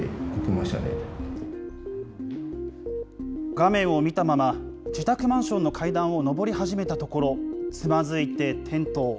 画面を見たまま自宅マンションの階段を上り始めたところ、つまずいて転倒。